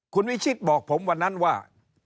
คุณวิชิตบอกผมวันนั้นว่า